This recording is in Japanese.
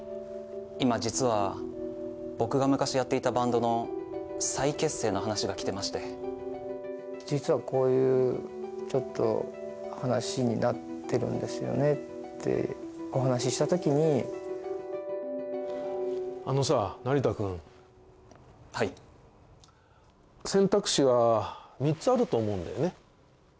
今実は僕が昔やっていたバンドの再結成の話が来てまして実はこういうちょっと話になってるんですよねってお話しした時にあのさ成田くんはい選択肢は３つあると思うんだよね